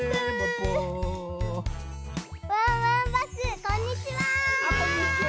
ワンワンバスこんにちは！